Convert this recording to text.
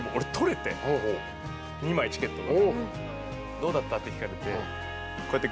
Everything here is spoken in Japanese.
どうだった？って聞かれてこうやって。